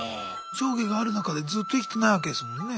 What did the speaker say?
上下がある中でずっと生きてないわけですもんね。